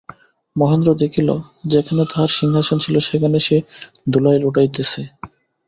মহেন্দ্র দেখিল, যেখানে তাহার সিংহাসন ছিল সেখানে সে ধুলায় লুটাইতেছে।